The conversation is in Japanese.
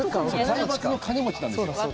財閥の金持ちなんですよ。